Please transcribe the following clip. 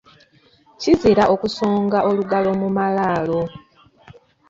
Kizira okusonga olugalo mu malaalo.